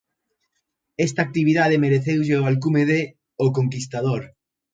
Esta actividade mereceulle o alcume de "O Conquistador".